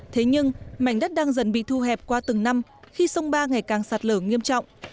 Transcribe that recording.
thế nhưng mảnh đất đang dần bị thu hẹp qua từng năm khi sông ba ngày càng sạt lở nghiêm trọng